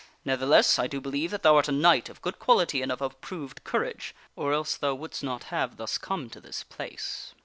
Ne'theless, I do believe that thou art a knight of good quality and of approved courage, or else thou wouldst not have thus come to this place."